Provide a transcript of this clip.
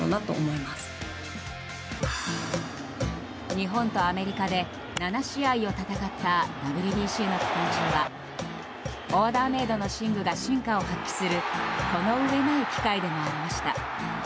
日本とアメリカで７試合を戦ったＷＢＣの期間中はオーダーメードの寝具が真価を発揮するこの上ない機会でもありました。